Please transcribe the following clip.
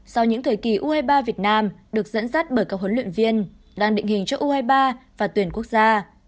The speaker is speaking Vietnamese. sau những thời kỳ u hai mươi ba việt nam được dẫn dắt bởi các huấn luyện viên đang định hình cho u hai mươi ba và tuyển quốc gia